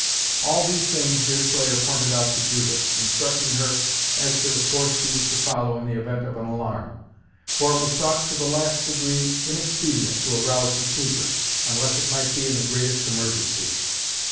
All these things Deerslayer pointed out to Judith, instructing her as to the course she was to follow in the event of an alarm; for it was thought to the last degree inexpedient to arouse the sleepers, unless it might be in the greatest emergency.